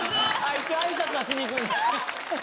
一応挨拶はしに行くんだ。